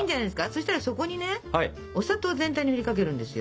そしたらそこにねお砂糖を全体にふりかけるんですよ。